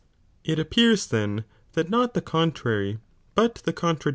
SinEl It appears then, that not the contrary, but the coDtradi